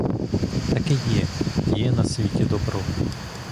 Таки є, є на світі добро.